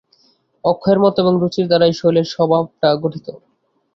অক্ষয়ের মত এবং রুচির দ্বারাই শৈলের স্বভাবটা গঠিত।